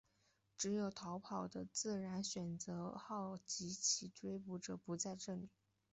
只有逃跑的自然选择号及其追捕者不在这里。